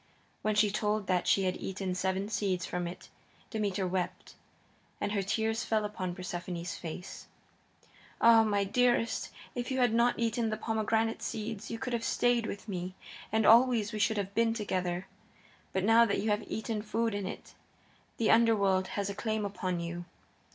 When she told that she had eaten seven seeds from it Demeter wept, and her tears fell upon Persephone's face. "Ah, my dearest," she cried, "if you had not eaten the pomegranate seeds you could have stayed with me, and always we should have been together. But now that you have eaten food in it, the Underworld has a claim upon you.